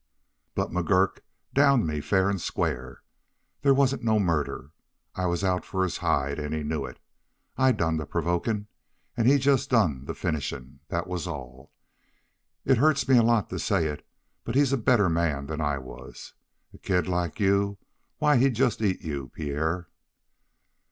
"But McGurk downed me fair and square. There wasn't no murder. I was out for his hide, and he knew it. I done the provokin', an' he jest done the finishin', that was all. It hurts me a lot to say it, but he's a better man than I was. A kid like you, why, he'd jest eat you, Pierre."